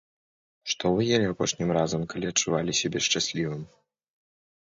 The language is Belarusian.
Што вы елі апошнім разам, калі адчувалі сябе шчаслівым?